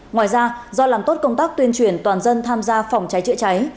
ngoài ra do làm tốt công tác tuyên truyền toàn dân tham gia phòng cháy chữa cháy